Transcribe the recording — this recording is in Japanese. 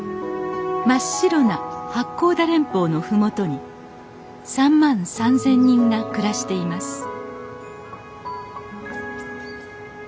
真っ白な八甲田連峰の麓に３万３，０００人が暮らしています